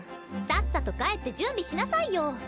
さっさと帰って準備しなさいよ。